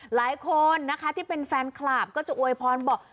หลายคนนะคะที่เป็นแฟนคลับก็จะอวยพรบอก